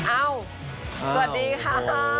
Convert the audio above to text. เอ้าสวัสดีค่ะ